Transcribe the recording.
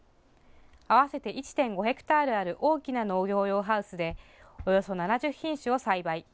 合わせて１．５ヘクタールある大きな農業用ハウスでおよそ７０品種を栽培。